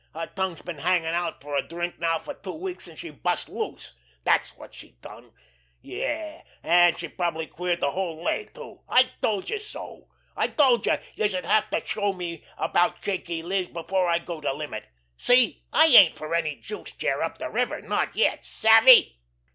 Her tongue's been hangin' out fer a drink now fer two weeks, an' she's bust loose. Dat's wot she's done—yes, an' probably queered de whole lay too! I told youse so! I told youse youse'd have to show me about Shaky Liz before I'd go de limit. See! I ain't fer any juice chair up de river—not yet! Savvy?"